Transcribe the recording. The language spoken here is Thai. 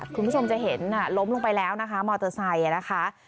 คุณผู้ชมจะเห็นล้มลงไปแล้วนะคะมอเตอร์ไซค์นะคะ